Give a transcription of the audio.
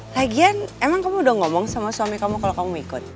lagian emang kamu udah ngomong sama suami kamu kalau kamu ikut